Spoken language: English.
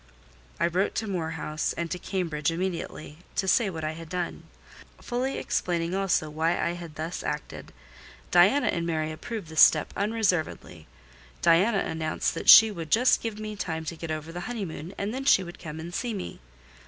I wrote to Moor House and to Cambridge immediately, to say what I had done: fully explaining also why I had thus acted. Diana and Mary approved the step unreservedly. Diana announced that she would just give me time to get over the honeymoon, and then she would come and see me.